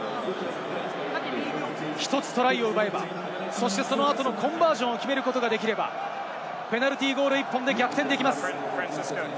１つトライを奪えば、そしてその後のコンバージョンを決めることができれば、ペナルティーゴール１本で逆転できます。